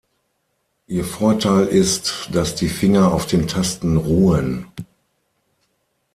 Ihr Vorteil ist, dass die Finger auf den Tasten ruhen.